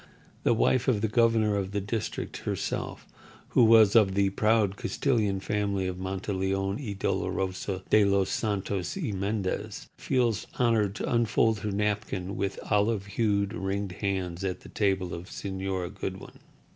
The wife of the governor of the district, herself, who was of the proud Castilian family of Monteleon y Dolorosa de los Santos y Mendez, feels honoured to unfold her napkin with olive hued, ringed hands at the table of Señora Goodwin.